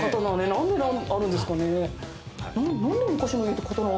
なんであるんですかね。